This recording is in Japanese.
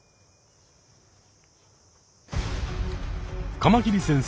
カマキリ先生